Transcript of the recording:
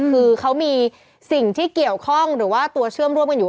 คือเขามีสิ่งที่เกี่ยวข้องหรือว่าตัวเชื่อมร่วมกันอยู่